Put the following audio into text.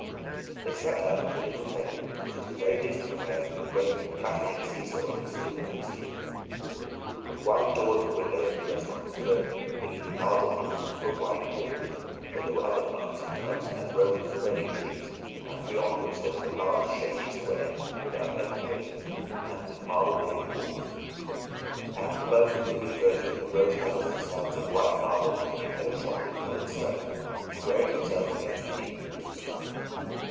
They sat down at a little table, which was a very different affair from the great clattering seesaw in the saloon of the steamer. The wide doors and windows of the restaurant stood open, beneath large awnings, to a wide pavement, where there were other plants in tubs, and rows of spreading trees, and beyond which there was a large shady square, without any palings, and with marble paved walks. And above the vivid verdure rose other facades of white marble and of pale chocolate colored stone, squaring themselves against the deep blue sky.